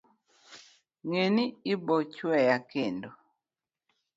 ng'e ni ibochweya kendo